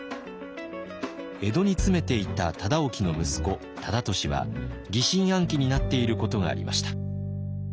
江戸に詰めていた忠興の息子忠利は疑心暗鬼になっていることがありました。